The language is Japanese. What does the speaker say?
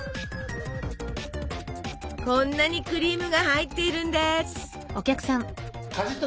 こんなにクリームが入っているんです！